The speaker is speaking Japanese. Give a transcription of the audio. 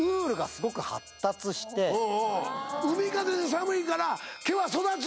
海風で寒いから毛は育つ。